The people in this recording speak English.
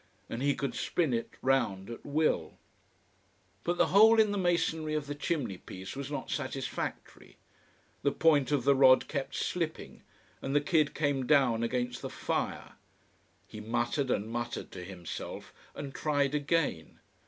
And he could spin it round at will. [Illustration: SORONGO] But the hole in the masonry of the chimney piece was not satisfactory. The point of the rod kept slipping, and the kid came down against the fire. He muttered and muttered to himself, and tried again.